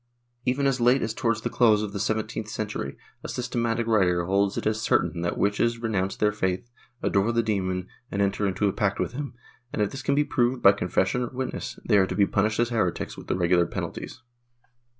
Even as late as towards the close of the seventeenth century, a systematic writer holds it as certain that witches renounce the faith, adore the demon and enter into a pact with him and, if this can be proved by confession or witnesses, they are to be punished as heretics with the regular penalties.